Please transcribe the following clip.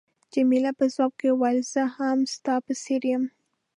جميله په ځواب کې وویل، زه هم ستا په څېر یم.